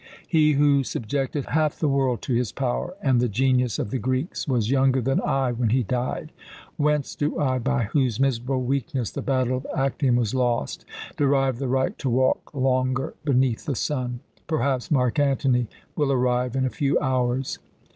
He who subjected half the world to his power and the genius of the Greeks, was younger than I when he died. Whence do I, by whose miserable weakness the battle of Actium was lost, derive the right to walk longer beneath the sun? Perhaps Mark Antony will arrive in a few hours."